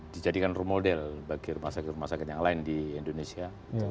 dijadikan role model bagi rumah sakit rumah sakit yang lain di indonesia